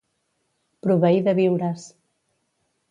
Proveir de viures.